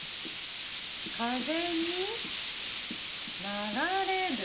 「風」に「流」れる。